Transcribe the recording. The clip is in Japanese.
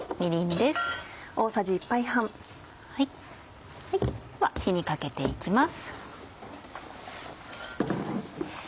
では火にかけて行きます。